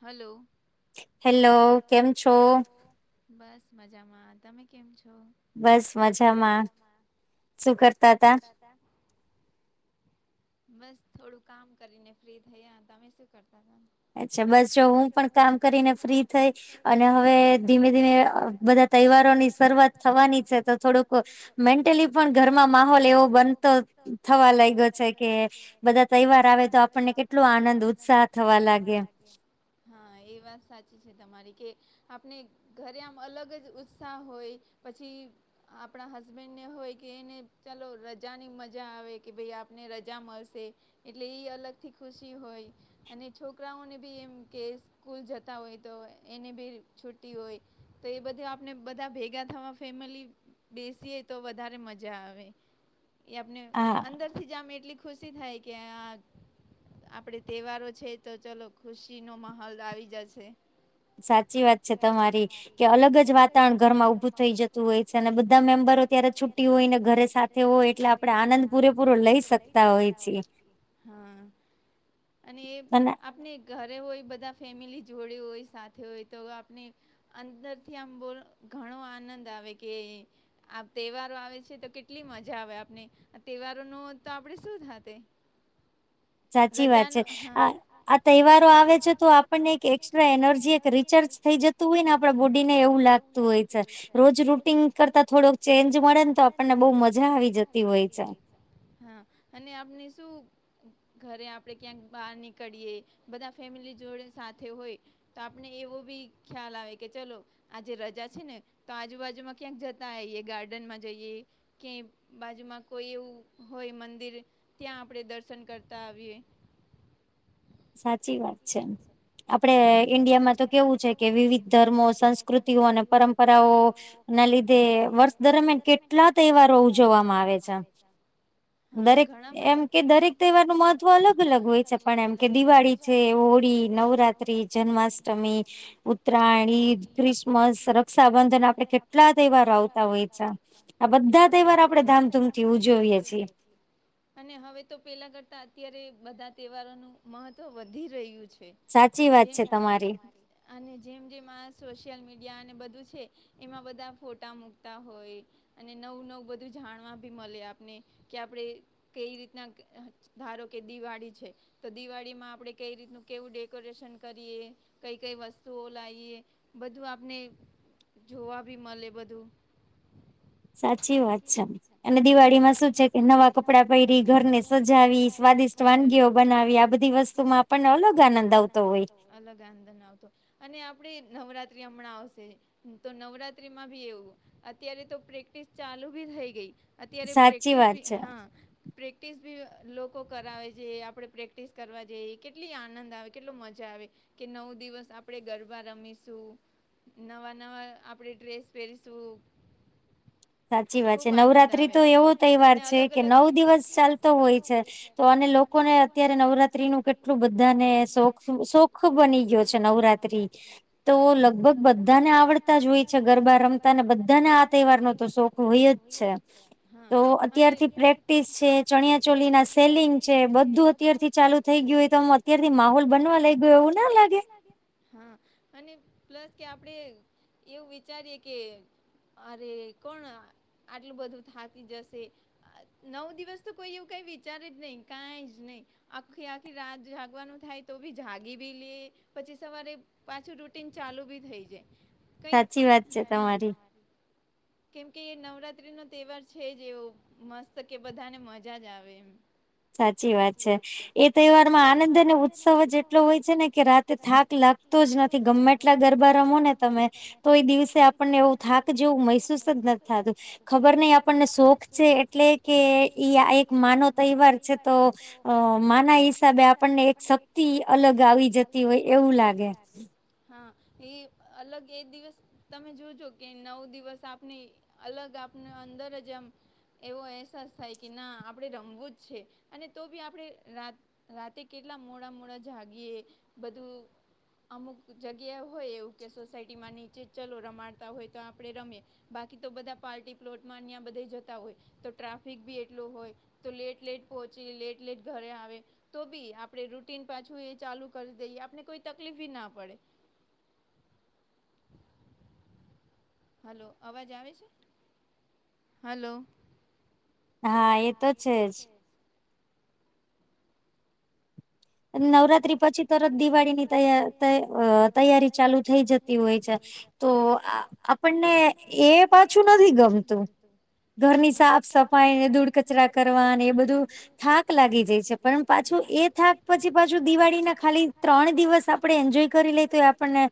Hello hello કેમ છો બસ મજામાં, તમે કેમ છો? બસ મજામાં. શું કરતાતા? બસ થોડું કામ કરીને ફ્રી થયા, તમે શું કરતા હતા? અચ્છા બસ જો હું પણ કામ કરીને ફ્રી થઈ અને હવે ધીમે ધીમે અ બધા તહેવારો ની શરૂઆત થવાની છે તો થોડુંક મેન્ટલી પણ ઘરમાં માહોલ એવો બનતો થવા લાગ્યો છે કે બધા તહેવાર આવે તો આપણને કેટલુ આનંદ ઉત્સાહ થવા લાગે. હા, એ વાત સાચી છે તમારી કે આપને ઘરે આમ અલગ જ ઉત્સાહ હોય પછી આપણા હસબેન્ડને હોય કે એને ચાલો રજાની મજા આવે કે ભાઈ આપને ર જા મળશે એટલે એ અલગ થી ખુશી હોય અને છોકરાઓને ભી એમ કે સ્કૂલ જતા હોય તો એને ભી છુટી હોય તો એ બધી આપને બધા ભેગા થવા ફેમિલી બેસીએ તો વધારે મજા આવે એ આપને અંદરથી આમ એટલી ખુશી થાય કે આ આપડે તહેવારો છે તો ચલો ખુશી નો માહોલ આવી જશે સાચી વાત છે તમારી કે અલગ જ વાતાવરણ ઘરમાં ઉભું થઈ જતું હોય છે. અને બધા મેમ્બરો ત્યારે છુટ્ટી હોય ને ઘરે સાથે હોય એટલે આપડે આનંદ પૂરેપૂરો લઈ શકતા હોય છે. હા, અને એ આપણે ઘરે હોય બધા ફેમિલી જોડે હોય સાથે હોય તો આપ ને અંદરથી આમ બોલ ઘણો આનંદ આવે કે આ તહેવારો આવે છે તો કેટલી મજા આવે આપને આ તહેવારો ન તો આપડે શું થાતે સાચી વાત છે આ આ તહેવારો આવે છે તો આપણને એક એક્સ્ટ્રા એનર્જી એક રિચર્ચ થઈ જ તું હોય ને આપ બોડી ને એવું લાગતું હોય છે રોજ રૂટીન કરતા થોડોક ચેન્જ મળે ને તો તો આપણને બહું મજા આવી જતી હોય છે. હા, અને આપને શું ઘરે આપણેે ક્યાંક બહાર નીકળીએ બધા ફેમિલી જોડે સાથે હોય તો આપને એવો ભી ખ્યાલ આવે કે ચલો આજે રજા છે ને તો આજુબાજુમાં ક્યાંક જતા આઈએ ગાર્ડનમાં જઈએ કે બાજુમાં કોઈ એવું હોય મંદિર ત્યાં આપણે દર્શન કરતા આવીએ સાચી વાત છે. આપડે ઈન્ડિયામાં તો કેવું છે કે વિવિધ ધર્મો, સંસ્કૃતિઓ અને પરંપરાઓ ના લીધે વર્ષ દરમિયાન કેટલા તહેવારો ઉજવવામાં આવે છે. દરેક એમ કે દરેક તહેવાર નું મહત્વ અલગ અલગ હોય છે પણ એમ કે દિવાળી છે હોળી, નવરાત્રી, જન્માષ્ટમી, ઉતરાયણ, ઈદ, ક્રિસ મસ, રક્ષાબંધન આપડે કેટલા તહેવારો આવતા હોય છે આ બધા તહેવાર આપડે ધામધૂમ થી ઉજ્જવીએ છીએ. અને હવે તો પહેલાં કરતાં અત્યારે બધા તહેવારોનું મહત્ત્વ વધી રહ્યું છે. સાચી વાત છે તમારી. અને જેમ જેમ આ સોશિયલ મીડિયા અને બધું છે એમાં બધા ફોટા મૂકતા હોય અને નવું નવું બધું જાણવા ભી મલે આપને કે આપડે કઈ રીતના, ધારો કે દિવાળી છે તો દિવાળીમાં આપણે કઈ રીતનું કેવું ડેકોરેશન કરીએ? કઈ કઈ વસ્તુઓ લાવીએ? બધું આપને જોવા ભી મલે બધું સાચી વાત છે. અને દિવાળી માં શું છે કે નવા કપડાં પહેરી, ઘરને સજાવી, સ્વાદિષ્ ટ વાનગીઓ બનાવી આ બધી વસ્તુ માં આપણ અલગ આનંદ આવતો હોય અલગ આંદન આવતો અને આપણે નવરાત્રી હમણાં આવશે તો નવરાત્રીમાં ભી એવું. અત્યારે તો પ્રેક્ટિસ ચાલુ ભી થઈ ગઈ, અત્યારે પ્રેક્ટિસી, સાચી વાત છે. હા પ્રેક્ટિસ ભી લોકો કરાવે છે. આપડણે પ્રેક્ટિસ કરવા જે કેટલી આનંદ આવે કેટલો મજા આવે કે નવ દિવસ આપણે ગરબા રમીશું નવા નવા આપણે ડ્રેસ પહેરીશું. સાચી વાત છે નવરાત્રી તો એવો તહેવાર છે કે નવ દિવસ ચાલતો હોય છે. તો અને લોકોને અત્યારે નવરાત્રી નું એટલું બધાને શોખ શોખ બની ગયો છે નવરાત્રી, તો લગભગ બધાને આવડ જ હોય છે ગરબા રમતા ને બધાને આ તહેવાર ન [unintelligible] હોય અજ છે અને [inaudible] ચણિયા ચોલી ના સેલિંગ છે બધું અત્યારથી ચાલુ થઈ ગયું ત અત્યારથી માહોલ બનવા લઈ ગયો એવું ના લાગે? હા અને પ્લસ કે આપણેે એવું વિચારીએ કે અરે કોણ આટલું બધું થાતી જશે નવ દિવસ તો કોઈ એવું કઈ વિચારે જ નહી કઈ જ નહી. આખી કે રાત જાગવાનું થાય તો બી જાગી બી લે પછી સવારે પાછું રૂટીન ચાલુ બી થઈ જાય કઈ [inaudible] કેમ કે એ નવરાત્રી નો તહેવાર છે જેવો મસ્ત કે બધાને મજા જ આવે એમ. સાચી વાત છે. એ તહેવારમાં આનંદ અને ઉત્સવ જ એટલો હોય છે ને કે રાતે થાક લાગતો જ નથી ગમે કેટલા ગરબા રમો ને તમે તો એ દિવસે આપણને એવું થાક જેવું મહેસૂસ જ નથી થતું. ખબર નહી આપણને શોખ છે. એટલે કે ઈ આ એક માનોવ તહેવાર છે. તો માન ના હિસાબે આપણને એક શક્તિ અલગ આવી જતી હોય એવું લાગે. હા એ અલગ એ દિવસ તમે જોજો કે નવ દિવસ આપણે અલગ આપને અંદર જ એમ એવો અહેસાસ થાય કે ના આપણે રમવું જ છે અને તો બી આપણે રાત રાતે કેટલા મોડા મોડા જાગીએ બધું અમુક જગ્યા હોય એવું કે સોસાયટીમાં નીચે ચલો રમાડતા હોય તો આપણે રમીએ. બાકી તો બધા પાર્ટી પ્લોટમાં અ બધા જતા હોય તો ટ્રાફિક ભી એટલું હોય તો લેટ લેટ પહોંચી લેટ લેટ ઘરે આવે. તો બી આપણે રૂટીન પાછું એ ચાલુ કરી દઈએ આપને કોઈ તકલીફી ના પડે. હલો અવાજ આવે છે? હલો. હા એ તો છે જ. નવરાત્રી પછી તરત દિવાળીની ત્ય ત્યાં તૈયારી ચાલુ થઈ જતી હોય છે. તો આપણને એ પાછું નથી ગમતું. ઘરની સાફ સફાઈને ધૂળ કચરા કરવા અને એ બધું થાક લાગી જાય છે, પણ પાછું એ થાક પછી પાછું દિવાળીના ખાલી ત્રણ દિવસ આપણે એન્જોય કરી લઈ તો આપણને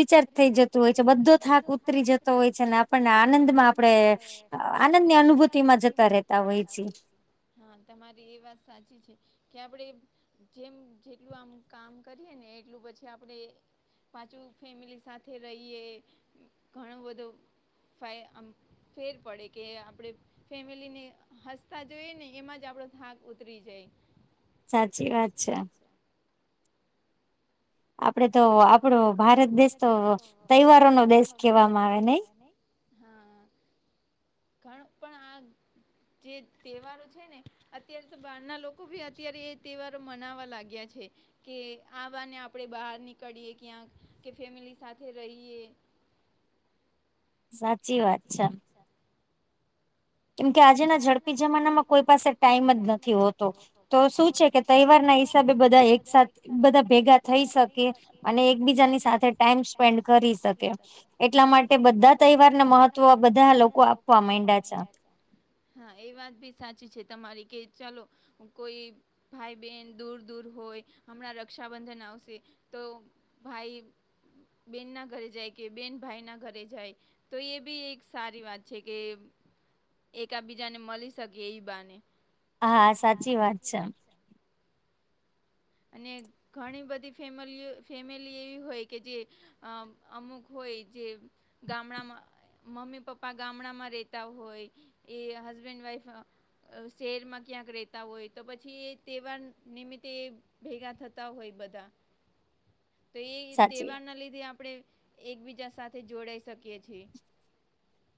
રિચાર્જ થઈ જતું હોય છે. બધો થાક ઉતરી જતો હોય છે અને આપણને આનંદમાં આપણેે આનંદની અનુભૂતિમાં જ ઘરે કામ હોય છે. હા, તમારી એ વાત સાચી છે, કે આપણે જેમ જેટલું આમ કામ કરીએને એટલું પછી આપણે પાછું ફેમિલી સાથે રહીએ. ઘણું બધું [inaudible] આમ ફેર પડે કે આપડે ફેમિલીને હસતા જોઈએ ને એમાં જ આપણો થાક ઉતરી જાય. સાચી વાત છે. આપડે તો આપડો ભારત દેશ તો તહેવારોનો દેશ કહેવામાં આવે નહી? હા, ઘણું પણ આ જે તહેવારો છે ને અત્યારે તો બહારના લોકો ભી અત્યારે એ તહેવારો મનાવવા લાગ્યા છે. કે આવવાને આપણે બહાર નીકળીએ ક્યાંક કે ફેમિલી સાથે રહીએ. સાચી વાત છે. કેમ કે આજેના ઝડપી જમાનામાં કોઈ પાસે ટાઈમ જ નથી હોતો તો શું છે કે તહેવારના હિસાબે બધા એકસાથ બધા ભેગા થઈ શકીએ અને એકબીજાની સાથે ટાઈમ સ્પેન્ડ કરી શકે એટલા માટે બધા તહેવારને મહત્વ બધા લોકો આપવા માંડ્યા છે. હા, એ વાત બી સાચી છે. તમારી કે ચાલો કોઈ ભાઈ બેન દૂર દૂર હોય, હમણાં રક્ષાબંધન આવશે તો ભાઈ બેનના ઘરે જાય કે બેન ભાઈના ઘરે જાય. તો એ બી એક સારી વાત છે કે એકા બીજાને મલી શકે એ બાને. હા, સાચી વાત છે. અને ઘણી બધી ફેમલીઓ ફેમિલી એવી હોય કે જે અ અમુક હોય જે ગામડામાં મમ્મી પપ્પા ગામડામાં રહેેતા હોય. એ હસબેન્ડ વાઈફ શહેરમાં ક્યાંક રહેતા હોય તો પછી એ તહેવાર નિમિત્તે ભેગા થતા હોય બધા. તો એ તહેવારના લીધે આપણે એકબીજા સાથે જોડાઈ શકીએ છીએ.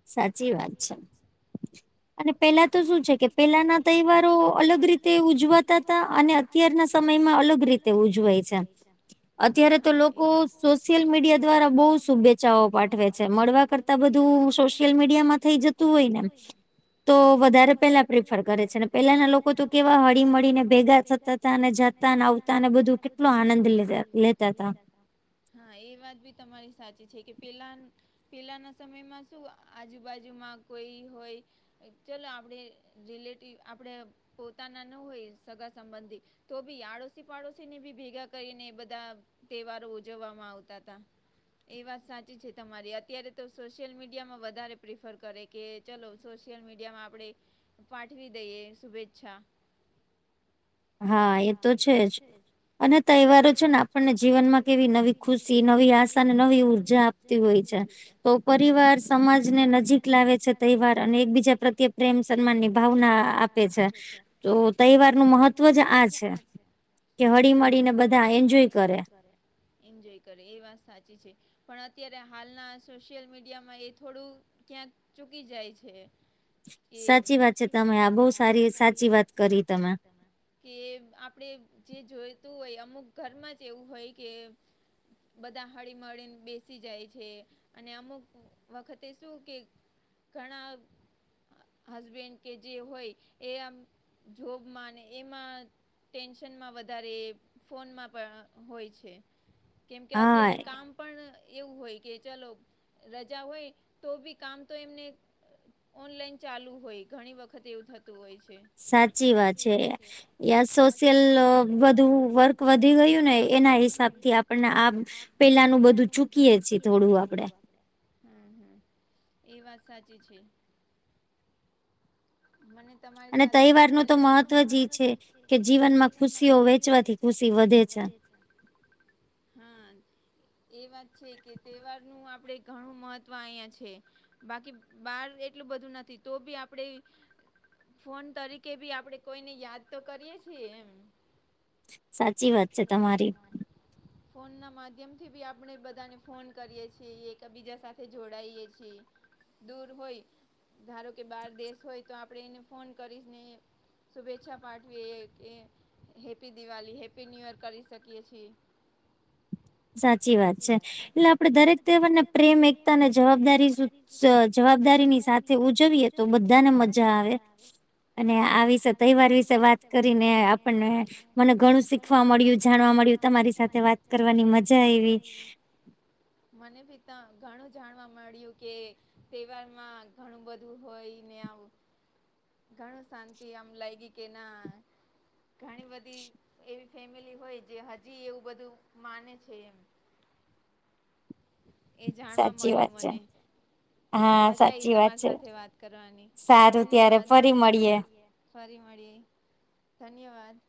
સાચી વાત છે. અને પેલા તો શું છે કે પેલાના તહેવારો અલગ રીતે ઉજવાતા હતા અને અને અત્યારના સમયમાં અલગ રીતે ઉજવાય છે. અત્યારે તો લોકો સોશિયલ મીડિયા દ્વારા બહુ શુભેચ્છાઓ પાઠવે છે. મળવા કરતા- બધું સોશિયલ મીડિયામાં થઈ જતું હોય ને તો વધારે પેલા પ્રિફર કરે છે ને પેલાના લોકો તો કેવા હળી મળીને ભેગા થતા. અને જતા ને આવતા અને બધું કેટલો આનંદ લેતાતા. હા, એ વાત બી તમારી સાચી છે કે પેલા પેલાના સમયમાં શું આજુબાજુમાં કોઈ હોય. ચલો આપણે રિલેટિવ આપણે પોતાના ન હોય સગા સંબંધી તો બી આડોશી પાડોશીને બી ભેગા કરીને બધા તહેવારો ઉજવવામાં આવતા હતા. એ વાત સાચી છે. તમારી અત્યારે તો સોશિયલ મીડિયામાં વધારે પ્રિફર કરે કે ચલો સોશિયલ મીડ મીડિયામાં આપણે પાઠવી દઈએ શુભેચ્છા. હા એ તો છે જ. અને તહેવારો છે ને આપણને જીવનમાં કેવી નવી ખુશી નવી આશા ને નવી ઊર્જા આપતી હોય છે. તો પરિવાર સમાજ ને નજીક લાવે છે તહેવાર અને એકબીજા પ્રત્યે પ્રેમ સન્માન ની ભાવના આપ આપે છે તો તહેવાર નું મહત્વ જ વજ આ છે કે હળી મળીને બધા એન્જોય કરે. એન્જોય કરે એ વાત સાચી છે પણ અત્યારે હાલના સોશિયલ મીડિયામાં એ થોડું ક્યાંક ચૂકી જાય છે. એ સાચી વાત છે તમે આ બહ સારી સાચી વાત કરી તમે. કે આપણેે જે જોઈતું હોય અમુક ઘરમાં જ એવું હોય કે બધા હળીમળીને બેસી જાય છે અને અમુક વખતે શું કે ઘણા હસબેન્ડ કે જે હોય એ આમ જોબ માને એમાં ટેન્શનમાં વધારે ફોનમાં પણ હોય છે. કેમ કે અત્યારે કામ પણ એવું હોય કે ચલો રજા હોય તો બી કામ તો એમને ઓનલાઈન ચાલુ હોય ઘણી વખત એવું થતું હોય છે. સાચી વાત છે એમ. યા સોશિયલ બધું વર્ક વધી ગયું ને એના હિસાબ થી આપણને આ પેલાનું બધું ચૂકીએ છીએ થોડું આપડે. હમ હમ એ વાત સાચી છે. મને તમારી સાથે વાત કરે ની છે કે જીવન માં ખુશીઓ વેચવાથી ખુશી વધે છે. હા એ વાત છે કે તહેવારનું આપણેે ઘણું મહત્વ અહીંયા છે. બાકી બાર એટલું બધું નથી તો બી આપડે ફોન તરીકે ભી આપડે કોઈને યાદ તો કરીએ છીએ એમ. સાચી વાત છે તમારી. ફોન ના માધ્યમથી બી આપણે બધાને ફોન કરીએ છીએ એકબીજા સાથે જોડાઈએ છીએ. દૂર હોય ધારો કે બાર દેશ હોય તો આપડે એને ફોન કરીશ ને શુભેચ્છા પાઠવી કે happy Diwali happy new year કરી શકીએ છીએ. સાચી વાત છે એટલે આપડે દરેક તહેવારને પ્રેમ એકતાને જવાબદારી શ જવાબદારી ની સાથે ઉજવીએ તો બધાને મજા આવે. અને આવી વિશે તહેવાર વિ વાત કરીને આપણને મને ઘણું શીખવા મળ્યું જાણવા મળ્યું તમારી સાથે વાત કરવાની મ અને મજા આઈવી. હમ [inaudible] મને બી ત ઘણું જાણવા મળ્યું કે તહેવાર માં ઘણું બધું હોય ને આવું ઘણું શાંતિ આમ લાઈ ગી કે ના ઘણી બધી એવી ફેમિલી હોય જે હજી એવું બધું માને છે એમ [inaudible] એ જાણવા મળ્યું મને. મજા આઈ તમારી સાથે વાત કરવાની ધન્યવાદ ફરી મળીએ. ફરી મળીએ ધન્યવાદ.